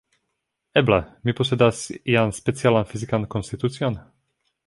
Eble, mi posedas ian specialan fizikan konstitucion?